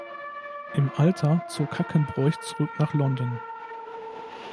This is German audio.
Im Alter zog Hackenbroich zurück nach London.